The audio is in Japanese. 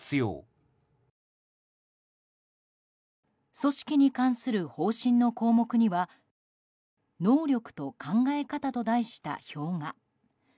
組織に関する方針の項目には「能力と考え方」と題した表が。